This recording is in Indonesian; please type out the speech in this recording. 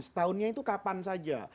setahunnya itu kapan saja